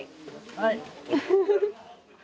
はい。